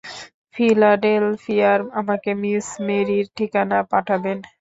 ফিলাডেলফিয়ায় আমাকে মিস মেরীর ঠিকানা পাঠাবেন।